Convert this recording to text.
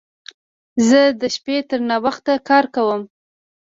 زه د شپې تر ناوخت کار کوم.